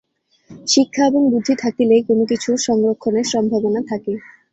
শিক্ষা এবং বুদ্ধি থাকিলেই কোন কিছুর সংরক্ষণের সম্ভাবনা থাকে।